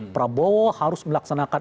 prabowo harus melaksanakan